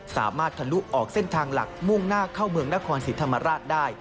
ทะลุออกเส้นทางหลักมุ่งหน้าเข้าเมืองนครศรีธรรมราชได้